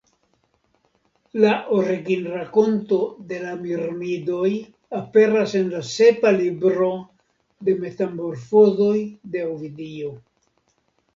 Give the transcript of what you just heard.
La originrakonto de la Mirmidoj aperas en la sepa libro de metamorfozoj de Ovidio.